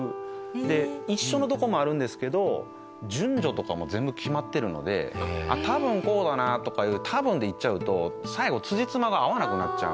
で一緒のとこもあるんですけど順序とかも全部決まってるので「多分こうだな」とかいう多分でいっちゃうとへえ！